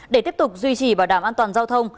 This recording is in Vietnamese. để tiếp tục duy trì bảo đảm an toàn giao thông